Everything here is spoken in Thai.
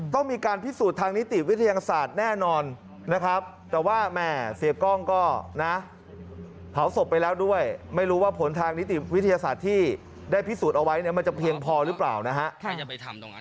ต้องมีการพิสูจน์ทางนิติวิทยาศาสตร์แน่นอนนะครับแต่ว่าแม่เสียกล้องก็นะเผาศพไปแล้วด้วยไม่รู้ว่าผลทางนิติวิทยาศาสตร์ที่ได้พิสูจน์เอาไว้เนี่ยมันจะเพียงพอหรือเปล่านะฮะ